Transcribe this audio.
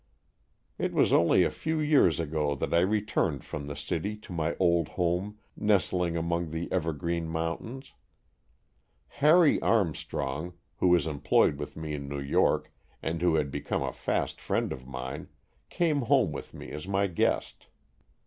It was only a few years ago that I re turned from the city to my old home nestling among the evergreen mountains. Harry Armstrong, who was employed with me in New York and who had be come a fast friend of mine, came home with me as my guest.